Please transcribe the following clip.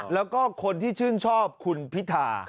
แล้วก็คนที่ชื่นชอบคุณพิธา